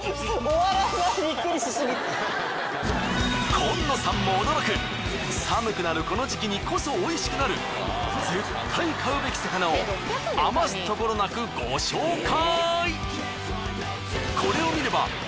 紺野さんも驚く寒くなるこの時期にこそ美味しくなる絶対買うべき魚を余すところなくご紹介。